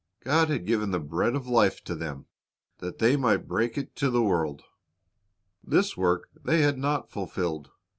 God had given the bread of life to them, that they might break it to the world. This work they had not fulfilled.